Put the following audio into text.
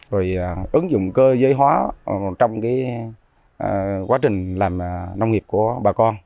rồi ứng dụng cơ giới hóa trong quá trình làm nông nghiệp của bà con